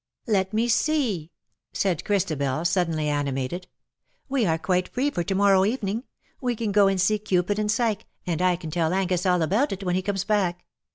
Let me see/' said Christabel^ suddenly animated. " We are quite free for to morrow evening. We can go and see ' Cupid and Psyche/ and I can tell Angus all about it when he comes back.